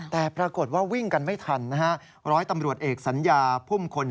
แต่ปรากฏว่าวิ่งกันไม่ทัน